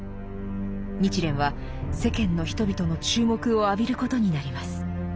日蓮は世間の人々の注目を浴びることになります。